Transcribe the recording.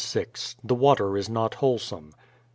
The water is not wholesome.